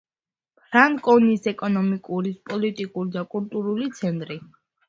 ფრანკონიის ეკონომიური, პოლიტიკური და კულტურული ცენტრი.